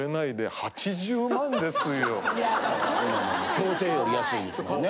矯正より安いですもんね。